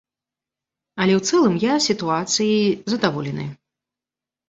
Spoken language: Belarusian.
Але ў цэлым я сітуацыяй задаволены.